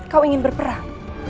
kau ingin berperang